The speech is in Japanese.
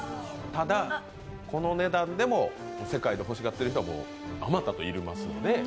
ただこの値段でも世界で欲しがっているとはあまたといます。